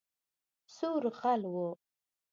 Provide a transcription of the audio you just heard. سور غل وو